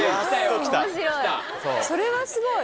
それはすごい。